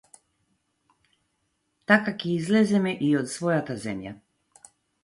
Така ќе излеземе и од својата земја.